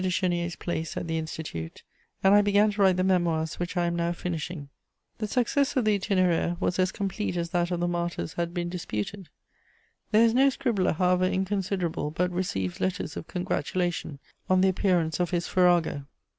de Chénier's place at the Institute, and I began to write the Memoirs which I am now finishing. [Sidenote: The Itinéraire.] The success of the Itinéraire was as complete as that of the Martyrs had been disputed. There is no scribbler, however inconsiderable, but receives letters of congratulation on the appearance of his _farrago.